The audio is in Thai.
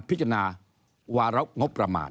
ก็จะมาจับทำเป็นพรบงบประมาณ